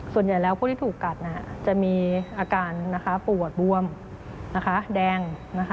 ส่วนใหญ่แล้วผู้ที่ถูกกัดจะมีอาการปวดบวมแดง